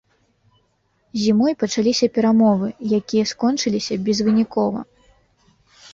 Зімой пачаліся перамовы, якія скончыліся безвынікова.